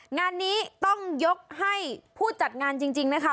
งานนี้ต้องยกให้ผู้จัดงานจริงนะคะ